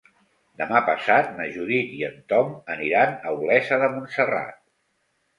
Demà passat na Judit i en Tom aniran a Olesa de Montserrat.